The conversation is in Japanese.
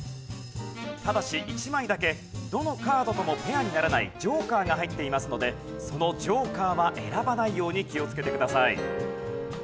ただし１枚だけどのカードともペアにならないジョーカーが入っていますのでそのジョーカーは選ばないように気をつけてください。